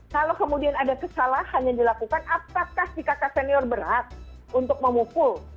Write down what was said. kalau kemudian ada kesalahan yang dilakukan apakah si kakak senior berat untuk memukul